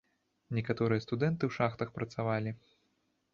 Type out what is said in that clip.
Некаторыя студэнты ў шахтах працавалі.